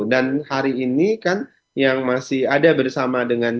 dan hari ini kan yang masih ada bersama dengan